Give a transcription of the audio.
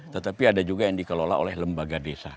tetapi ada juga yang dikelola oleh lembaga desa